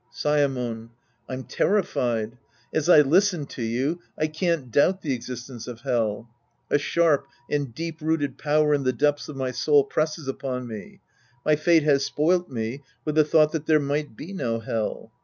Saemon. I'm terrified. As I listen to you, I can't doubt the existence of Hell. A sharp and deej> root ed power in the depths of my soul presses upon me. My fate has spoilt me with the thought that there might be no Hell.